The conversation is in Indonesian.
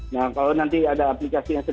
nah kalau nanti ada aplikasi yang tersebut